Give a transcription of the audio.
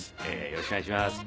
よろしくお願いします。